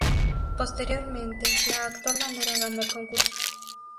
Posteriormente, la actual bandera ganó el concurso.